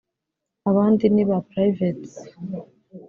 abandi ni ba Privates